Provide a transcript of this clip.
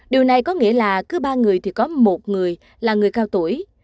điều này có nghĩa là cứ ba người thì có một người là người cao tuổi